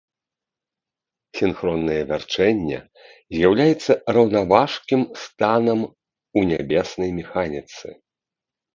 Сінхроннае вярчэнне з'яўляецца раўнаважкім станам у нябеснай механіцы.